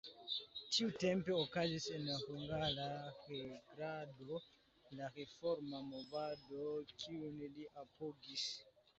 Tiutempe okazis en Hungara reĝlando la reforma movado, kiun li apogis.